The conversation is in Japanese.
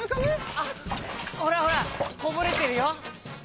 あっほらほらこぼれてるよ。